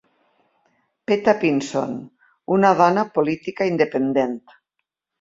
Peta Pinson, una dona política independent.